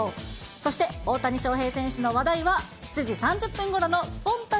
そして大谷翔平選手の話題は７時３０分ごろのスポンタっ！